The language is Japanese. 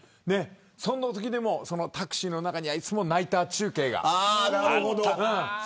そんなときでもタクシーの中ではいつもナイター中継があった。